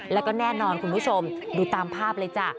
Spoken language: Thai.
แล้วก็แน่นอนคุณผู้ชมดูตามภาพเลยจ้ะ